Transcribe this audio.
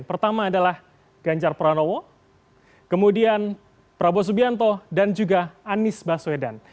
pertama adalah ganjar pranowo kemudian prabowo subianto dan juga anies baswedan